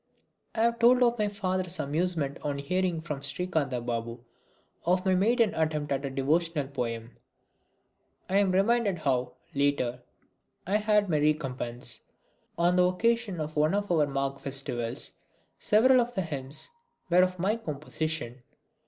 I have told of my father's amusement on hearing from Srikantha Babu of my maiden attempt at a devotional poem. I am reminded how, later, I had my recompense. On the occasion of one of our Magh festivals several of the hymns were of my composition.